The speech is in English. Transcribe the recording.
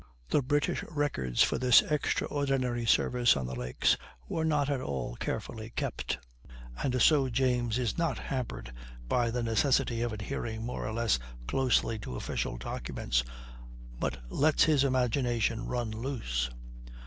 The British records for this extraordinary service on the lakes were not at all carefully kept, and so James is not hampered by the necessity of adhering more or less closely to official documents, but lets his imagination run loose.